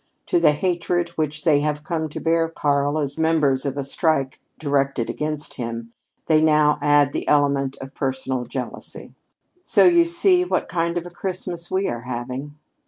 To the hatred which they have come to bear Karl as members of a strike directed against him, they now add the element of personal jealousy. "So you see what kind of a Christmas we are having!